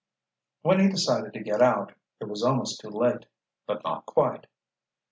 When he decided to get out, it was almost too late—but not quite.